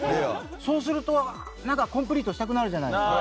そうするとコンプリートしたくなるじゃない。